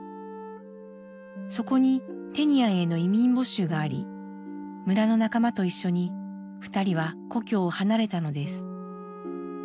そこにテニアンへの移民募集があり村の仲間と一緒に２人は故郷を離れたのです。